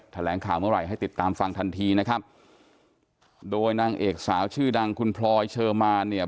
แถลงข่าวเมื่อไหร่ให้ติดตามฟังทันทีนะครับโดยนางเอกสาวชื่อดังคุณพลอยเชอร์มานเนี่ย